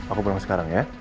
aku pulang sekarang ya